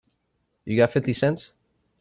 You got fifty cents?